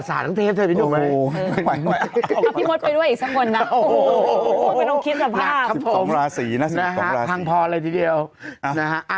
สิบสองราศีนะสิบสองราศีนะฮะพังพอเลยทีเดียวนะฮะอ่า